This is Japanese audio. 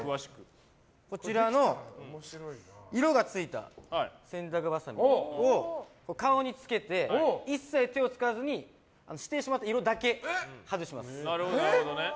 こちらの色がついた洗濯ばさみを顔につけて、一切手を使わずに指定してもらった色だけ外します。